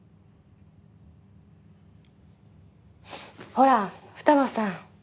ほら二葉さん！